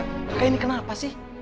kak raina ini kenapa sih